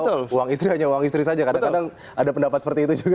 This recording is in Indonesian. oh uang istri hanya uang istri saja kadang kadang ada pendapat seperti itu juga